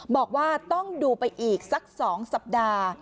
บอกว่าต้องดูไปอีกสัก๒สัปดาห์